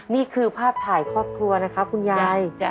นี่คือภาพถ่ายครอบครัวนะครับคุณยาย